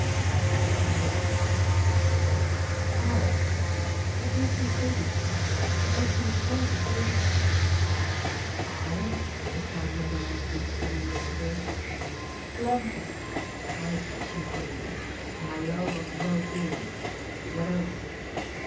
Then said Hendrik : "Alers, what makes you say these things ? What makes you care to say them ?"" I ?" replied the other lightly, as he rose to go. " Phi lanthropy ! My affection for you, and my love of well doing! What else?"